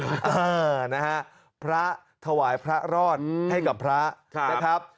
เออนะฮะพระถวายพระรอดให้กับพระนะครับ